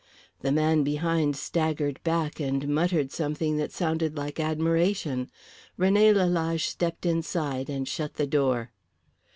The man behind staggered back and muttered something that sounded like admiration. René Lalage stepped inside and shut the door.